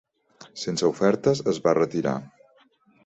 Sense ofertes, es va retirar.